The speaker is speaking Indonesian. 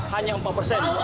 hanya empat persen